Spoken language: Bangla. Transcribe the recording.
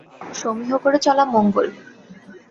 সমীহ করেই চলা মঙ্গল।